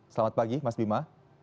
selamat pagi mas bima